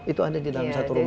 itu ada di dalam satu rumah